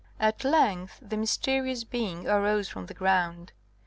At length the mysterious being arose from the ground.